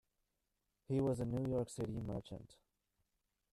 He was a New York City merchant.